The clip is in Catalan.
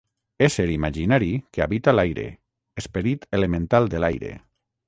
Ésser imaginari que habita l'aire, esperit elemental de l'aire.